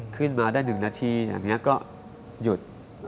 ขึ้นมาได้๑นาทีอย่างนี้ก็หยุด